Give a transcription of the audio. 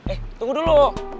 eh tunggu dulu